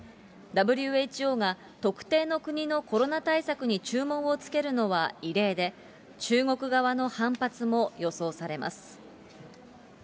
ＷＨＯが特定の国のコロナ対策に注文をつけるのは異例で、中国側の反発も予想されます。